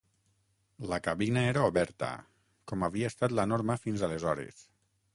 La cabina era oberta, com havia estat la norma fins aleshores.